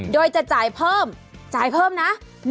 โดยจะจ่ายเพิ่มจ่ายเพิ่มนะ